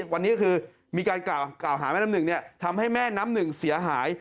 วันนี้ก็คือมีการกล่าวหาแม่น้ำหนึ่งทำให้แม่น้ำหนึ่งเสียหาย